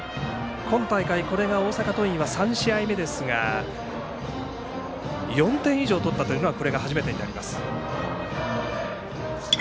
今大会、これが大阪桐蔭は３試合目ですが４点以上取ったというのはこれが初めてになります。